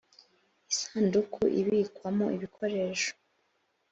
isanduku ibikwamo ibikoresho.